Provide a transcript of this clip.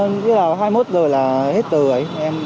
như là hai mươi một h là hết từ rồi